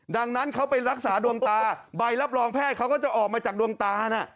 ดังนั้นเขาไปรักษาดวงตาใบรับรองแพทย์เขาก็จะออกมาจากดวงตานะ